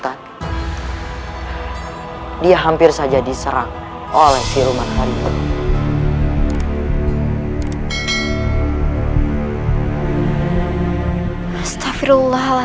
ibu juga rindu sekali pada ibu